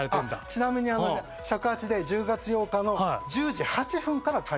ちなみにあのね「尺八」で１０月８日の１０時８分から開催されます。